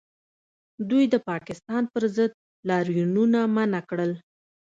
دوی د پاکستان پر ضد لاریونونه منع کړل